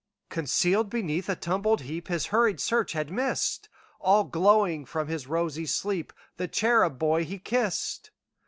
Concealed beneath a tumbled heapHis hurried search had missed, All glowing from his rosy sleep, The cherub boy he kissed.